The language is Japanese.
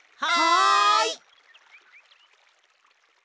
はい！